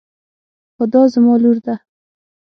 هُدا زما لور ده.